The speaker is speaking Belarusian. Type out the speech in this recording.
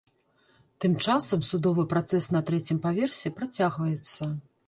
Тым часам судовы працэс на трэцім паверсе працягваецца.